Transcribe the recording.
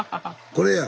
これや！